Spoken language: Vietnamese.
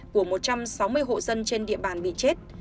của một trăm sáu mươi hộ dân trên địa bàn bị chết